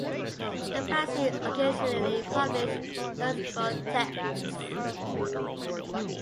The fanzine occasionally published theoretical texts.